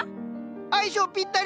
相性ぴったり！